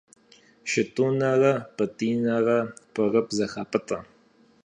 Шытӏунэрэ Пӏытӏинэрэ пӏырыпӏ зэхапӏытӏэ.